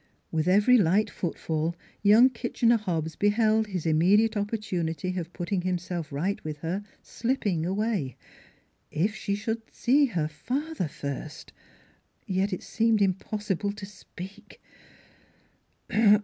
With every light footfall young Kitchener Hobbs beheld his immediate opportunity of putting him self right with her slipping away. If she should see her father first Yet it seemed impossible to speak.